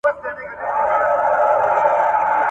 زه بايد پاکوالی وکړم؟